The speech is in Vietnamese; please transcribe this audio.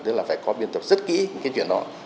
tức là phải có biên tập rất kỹ những cái chuyện đó